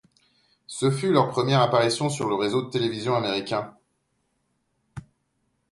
Ce fut leur première apparition sur le réseau de télévision américain.